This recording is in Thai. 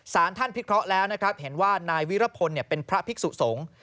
สารท่านพิเคราะห์แล้วนะครับเห็นว่านายวิรพลเป็นพระภิกษุสงฆ์